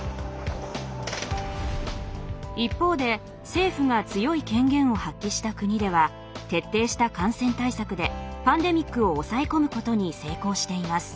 一方で政府が強い権限を発揮した国では徹底した感染対策でパンデミックを抑え込むことに成功しています。